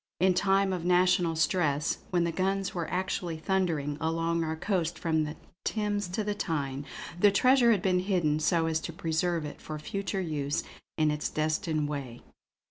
In time of national stress, when the guns were actually thundering along our coast from the Thames to the Tyne, the treasure had been hidden so as to preserve it for future use in its destined way.